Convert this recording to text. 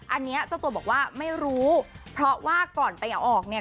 อันนี้เจ้าตัวบอกว่าไม่รู้เพราะว่าก่อนไปเอาออกเนี่ย